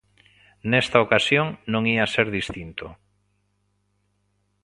Nesta ocasión non ía ser distinto.